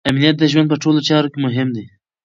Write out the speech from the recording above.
امنیت د ژوند په ټولو چارو کې مهم دی.